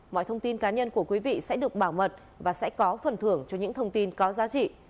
mọi thông tin cá nhân của quý vị sẽ được bảo mật và sẽ có phần thưởng cho những thông tin có giá trị